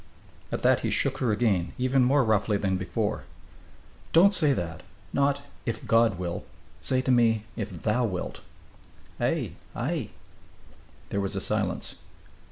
At that he shook her again, even more roughly than before. "Don't say that! Not, 'If God will!' Say to me, 'If thou wilt.'" "Ai Ai " There was a silence.